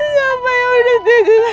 sumpah yang udah tinggal